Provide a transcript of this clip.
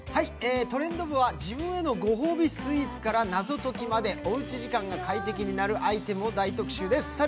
「トレンド部」は自分へのご褒美スイーツから謎解きまでおうち時間が快適になるアイテムを大特集です。